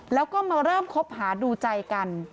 แล้วก็มาเริ่มคบหาดูใจกัน